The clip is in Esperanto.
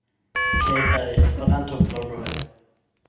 Kelkaj Esperanto-blogoj.